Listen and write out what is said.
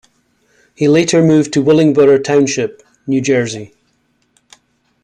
He later moved to Willingboro Township, New Jersey.